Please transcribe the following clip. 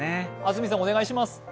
安住さん、お願いします。